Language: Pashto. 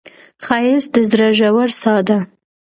ښایست د زړه ژور ساه ده